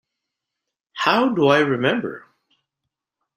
How do I remember?